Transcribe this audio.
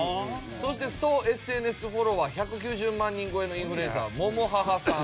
そして総ＳＮＳフォロワー１９０万人超えのインフルエンサーｍｏｍｏｈａｈａさん。